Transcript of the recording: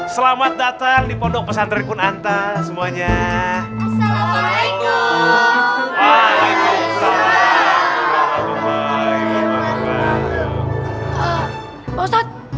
selamat datang di pondok pesantrik punanta semuanya assalamualaikum waalaikumsalam